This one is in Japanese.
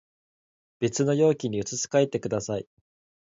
別の容器に移し替えてください